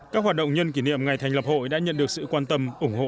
các hoạt động nhân kỷ niệm ngày thành lập hội đã nhận được sự quan tâm ủng hộ